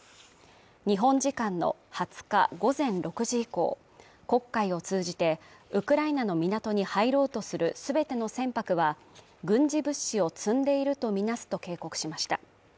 日本時間の２０日午前６時以降、黒海を通じてウクライナの港に入ろうとする全ての船舶は、軍事物資を積んでいるとみなすと警告しました。